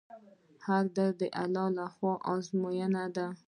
هر درد د الله له خوا ازموینه ده.